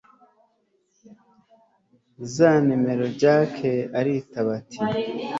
za nimero jack aritaba ati